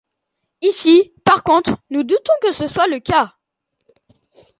Ici, par contre, nous doutons que ce soit le cas.